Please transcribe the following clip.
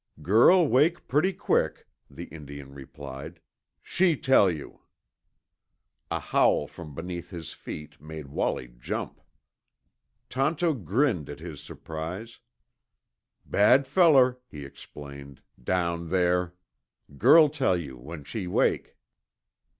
"Girl wake pretty quick," the Indian replied. "She tell you." A howl from beneath his feet made Wallie jump. Tonto grinned at his surprise. "Bad feller," he explained, "down there. Girl tell you, when she wake."